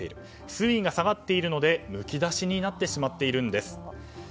水位が下がっているのでむき出しになってしまってるんです。